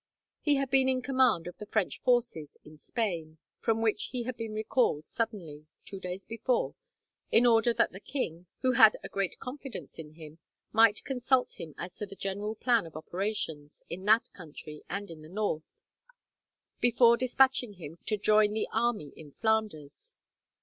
He had been in command of the French forces in Spain, from which he had been recalled suddenly, two days before, in order that the king, who had a great confidence in him, might consult him as to the general plan of operations, in that country and in the north, before despatching him to join the army in Flanders.